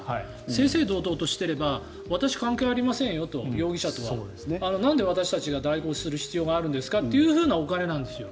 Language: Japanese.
正々堂々としてれば私は容疑者と関係ありませんよとなんで私たちが代行する必要があるんですかというお金なんですよ。